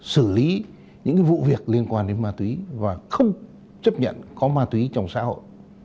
xử lý những vụ việc liên quan đến ma túy và không chấp nhận có ma túy trong xã hội